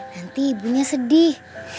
nanti ibunya sedih